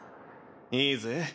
いいぜ。